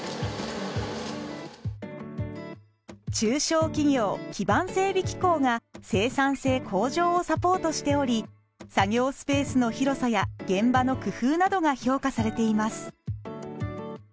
中小企業基盤整備機構が生産性向上をサポートしており作業スペースの広さや現場の工夫などが評価されています。